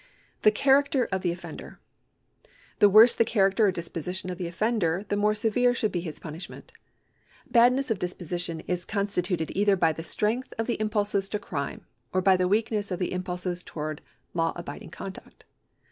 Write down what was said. The character of the offender. The worse the character or disposition of the offender the more severe should be his punishment. Badness of disposition is constituted either by the strength of the impulses to crime, or by the weakness of the impulses towards law abiding conduct.